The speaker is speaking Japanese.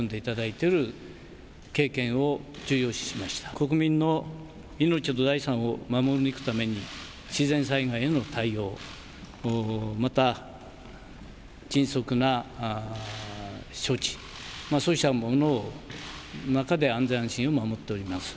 国民の命と財産を守り抜くために自然災害への対応、また迅速な処置、そうしたものの中で安全安心を守っております。